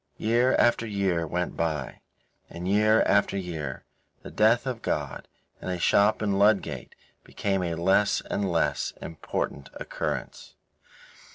Year after year went by, and year after year the death of God in a shop in Ludgate became a less and less important occurrence.